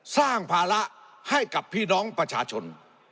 สร้างภาระให้กับพี่น้องประชาชน